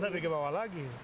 lebih ke bawah lagi